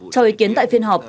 trong ý kiến tại phiên họp